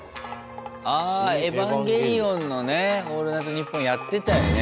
あ「エヴァンゲリオン」のね「オールナイトニッポン」やってたよね。